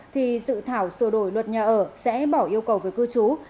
thì dự thảo sửa đổi luật nhà ở sẽ bỏ yêu cầu về cư trú